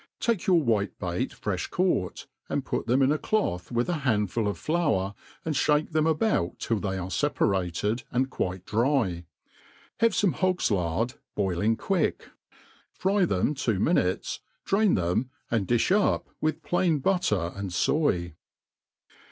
TAKE ycur white bait frefh caught, and put them in a cloth with a handful of flour, and fhake them about till they are feparated and quite dry^ have fomc hog's lard boiling quick. MADE PLAIN AND EASfY. 325 Cfutck, fry them two mmutes, drain them, and difh up witii plain butter and foy.